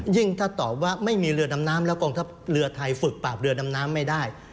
ถ้าตอบว่าไม่มีเรือดำน้ำแล้วกองทัพเรือไทยฝึกปราบเรือดำน้ำไม่ได้